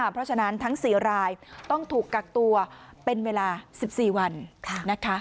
เพราะฉะนั้นทั้ง๔รายต้องถูกกักตัวเป็นเวลา๑๔วันนะคะ